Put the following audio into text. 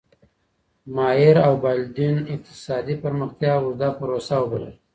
ماير او بالدوين اقتصادي پرمختيا اوږده پروسه وبلله.